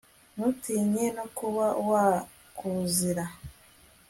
ntutinye no kuba wakuzira